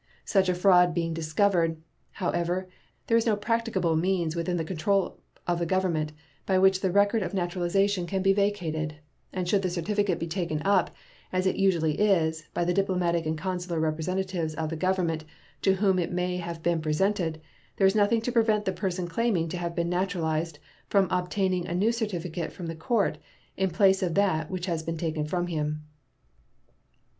Such a fraud being discovered, however, there is no practicable means within the control of the Government by which the record of naturalization can be vacated; and should the certificate be taken up, as it usually is, by the diplomatic and consular representatives of the Government to whom it may have been presented, there is nothing to prevent the person claiming to have been naturalized from obtaining a new certificate from the court in place of that which has been taken from him.